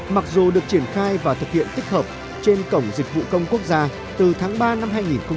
mặc dù được triển khai và thực hiện tích hợp trên cổng dịch vụ công quốc gia từ tháng ba năm hai nghìn hai mươi